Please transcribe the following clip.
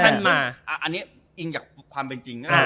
อันนี้อิงจักภูมิความเป็นจริง